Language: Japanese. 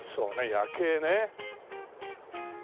夜景ね。